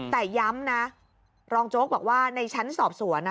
แต่ย้ำนะรองโจ๊กบอกว่าในชั้นสอบสวน